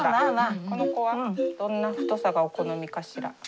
この子はどんな太さがお好みかしら？